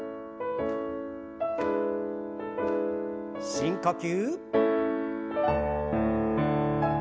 深呼吸。